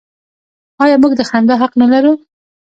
آیا موږ د خندا حق نلرو؟